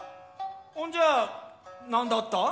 ほんじゃあなんだった？